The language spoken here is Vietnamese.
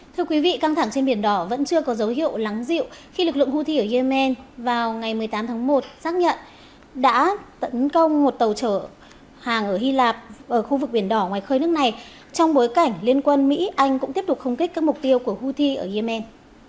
thưa quý vị căng thẳng trên biển đỏ vẫn chưa có dấu hiệu lắng dịu khi lực lượng houthi ở yemen vào ngày một mươi tám tháng một xác nhận đã tấn công một tàu chở hàng ở hy lạp ở khu vực biển đỏ ngoài khơi nước này trong bối cảnh liên quân mỹ anh cũng tiếp tục không kích các mục tiêu của houthi ở yemen